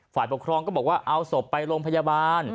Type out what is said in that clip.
ฝ่ายปกครองก็บอกว่าเอาศพไปโรงพยาบาล